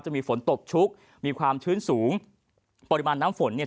จะมีฝนตกชุกมีความชื้นสูงปริมาณน้ำฝนเนี่ย